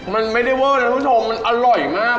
มันไม่ได้เวอร์นะท่านผู้ชมมันอร่อยมาก